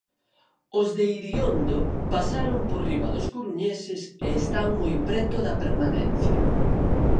Os de Iriondo, pasaron por riba dos coruñeses e están moi preto da permanencia.